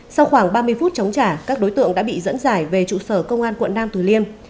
sau khoảng ba mươi phút chống trả các đối tượng đã bị dẫn giải về trụ sở công an quận nam từ liêm